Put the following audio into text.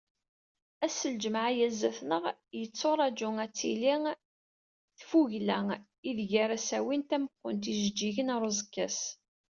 Ass n lǧemɛa-a sdat-nneɣ, yetturaǧu ad tili tfugla ideg ara as-awin tameqqunt n yijeǧǧigen ɣer uẓekka-s.